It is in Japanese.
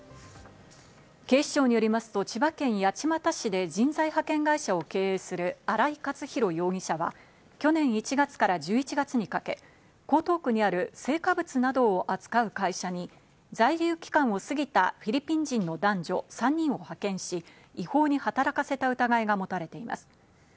警視庁によりますと、千葉県八街市で人材派遣会社を経営する荒井克弘容疑者は去年１月から１１月にかけ江東区にある青果物などを扱う会社に在留期間を過ぎたフィリピン人の男女３人を派遣し、違法に働かせた疑いが持たれています。